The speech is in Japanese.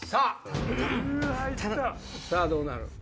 さぁどうなる？